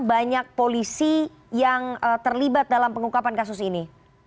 banyak polisi yang terlibat dalam pengungkapan kasus ini